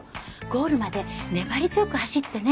ゴールまで粘り強く走ってね。